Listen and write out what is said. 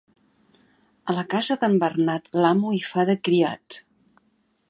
A la casa d'en Bernat l'amo hi fa de criat.